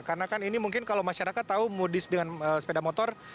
karena kan ini mungkin kalau masyarakat tahu modis dengan sepeda motor